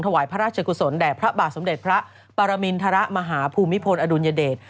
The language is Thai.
ถวายพระราชกุศลแด่พระบาทสมเด็จพระปรมินทรมาหาภูมิพลอดุลยเดช